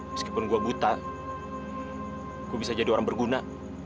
meskipun gua buta gue bisa jadi orang berguna